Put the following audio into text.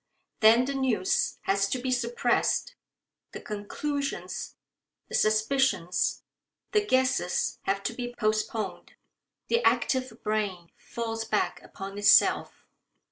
Then the news has to be suppressed; the conclusions, the suspicions, the guesses have to be postponed; the active brain falls back upon itself.